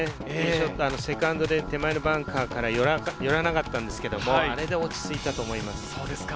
セカンドで手前のバンカーから寄らなかったんですけど、あれで落ち着いたと思います。